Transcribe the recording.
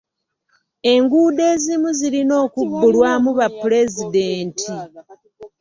Enguudo ezimu zirina okubbulwamu bapulezidenti.